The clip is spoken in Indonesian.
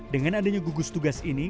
dengan adanya gugus tugas ini